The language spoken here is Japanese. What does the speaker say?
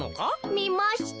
みました。